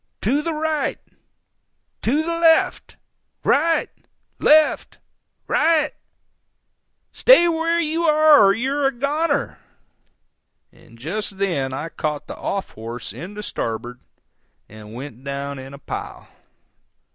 —to the right!—to the LEFT—right! left—ri—Stay where you ARE, or you're a goner!" And just then I caught the off horse in the starboard and went down in a pile.